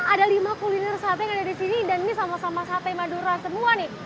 ada lima kuliner sate yang ada di sini dan ini sama sama sate madura semua nih